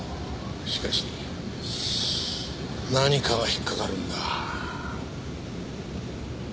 しかし何かが引っかかるんだ。